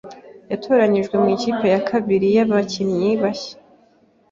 Yatoranyijwe mu ikipe ya kabiri y’abakinnyi bashya